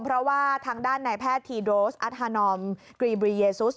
เพราะว่าทางด้านในแพทย์ทีโดสอัธฮานอมกรีบรีเยซุส